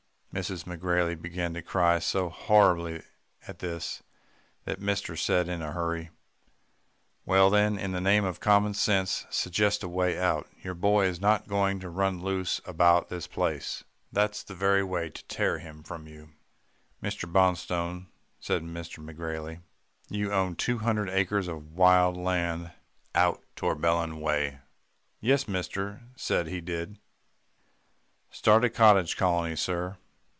"Mrs. McGrailey began to cry so horribly at this, that mister said in a hurry, 'Well, then, in the name of common sense, suggest a way out. Your boy is not going to run loose about this place. That's the very way to tear him from you.' "'Mr. Bonstone,' said McGrailey, 'you own two hundred acres of wild land out Torbellon way.' "Yes, mister said he did. "'Start a cottage colony, sir.